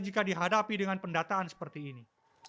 jika dihadapi dengan pendataan seperti ini